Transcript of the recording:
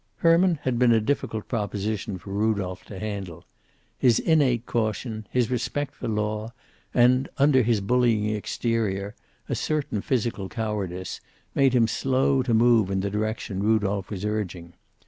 Herman had been a difficult proposition for Rudolph to handle. His innate caution, his respect for law and, under his bullying exterior, a certain physical cowardice, made him slow to move in the direction Rudolph was urging.